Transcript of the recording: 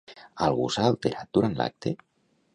Algú s'ha alterat durant l'acte?